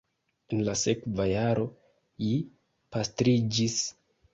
En la sekva jaro ji pastriĝis.